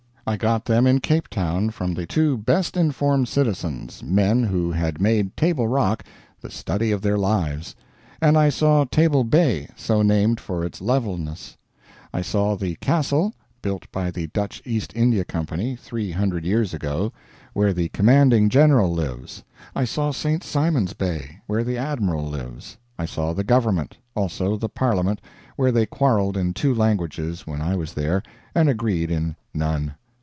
I got them in Cape Town from the two best informed citizens, men who had made Table Rock the study of their lives. And I saw Table Bay, so named for its levelness. I saw the Castle built by the Dutch East India Company three hundred years ago where the Commanding General lives; I saw St. Simon's Bay, where the Admiral lives. I saw the Government, also the Parliament, where they quarreled in two languages when I was there, and agreed in none.